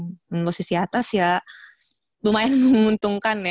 posisi atas ya lumayan menguntungkan ya